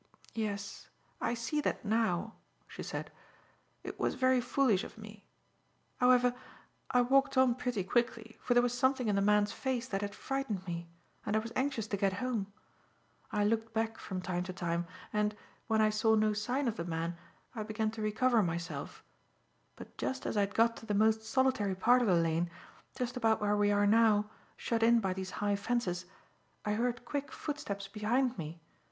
"Yes, I see that now," she said. "It was very foolish of me. However, I walked on pretty quickly, for there was something in the man's face that had frightened me, and I was anxious to get home. I looked back, from time to time, and, when I saw no sign of the man, I began to recover myself; but just as I had got to the most solitary part of the lane, just about where we are now, shut in by these high fences, I heard quick footsteps behind me.